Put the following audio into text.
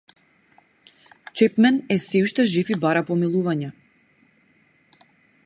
Чепмен е сѐ уште жив и бара помилување.